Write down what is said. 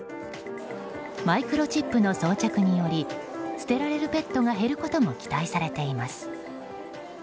マイクロチップの装着により捨てられるペットが減ることも期待されています。